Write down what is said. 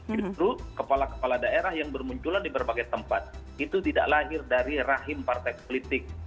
justru kepala kepala daerah yang bermunculan di berbagai tempat itu tidak lahir dari rahim partai politik